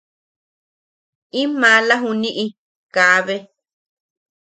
In maala juniʼi kaabe.